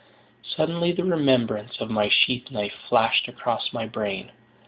Suddenly, the remembrance of my sheath knife flashed across my brain.